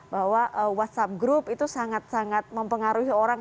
bahwa whatsapp group itu sangat sangat mempengaruhi orang